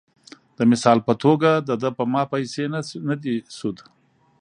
د مثال پۀ توګه د دۀ پۀ ما پېسې نۀ دي سود ،